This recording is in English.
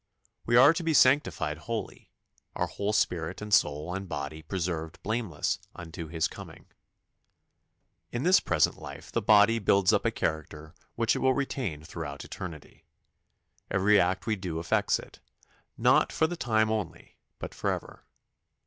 We are to be sanctified wholly; our whole spirit and soul and body preserved blameless unto His coming. In this present life the body builds up a character which it will retain throughout eternity. Every act we do affects it, not for the time only, but for ever.